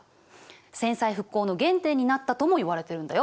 戦災復興の原点になったともいわれてるんだよ。